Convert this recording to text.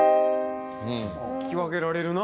聞き分けられるな。